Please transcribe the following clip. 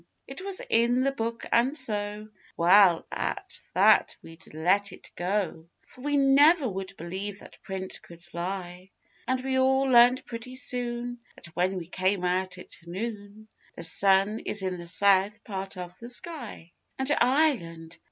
It was 'in the book' and so well, at that we'd let it go, For we never would believe that print could lie; And we all learnt pretty soon that when we came out at noon 'The sun is in the south part of the sky.' And Ireland!